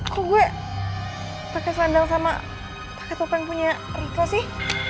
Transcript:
kok gue pake sandal sama pake topeng punya riko sih